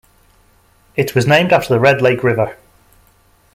It was named after the Red Lake River.